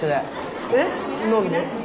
えっ？何で？